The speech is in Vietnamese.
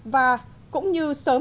và cũng như sớm